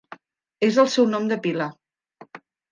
És el seu nom de pila.